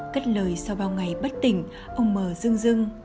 cất lời sau bao ngày bất tỉnh ông m dưng dưng